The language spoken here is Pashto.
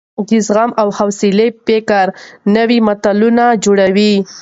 د زغم او حوصلې فکر نوي ملتونه جوړوي.